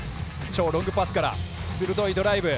ロングパスから鋭いドライブ。